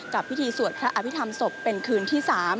กับพิธีสวดพระอภิษฐรรมศพเป็นคืนที่๓